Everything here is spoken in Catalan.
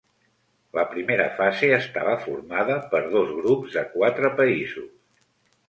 La primera fase estava formada per dos grups de quatre països.